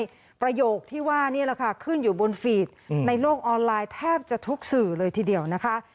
ประโยคที่ว่านี่แหละค่ะขึ้นอยู่บนฟีดในโลกออนไลน์แทบจะทุกสื่อเลยทีเดียวนะคะ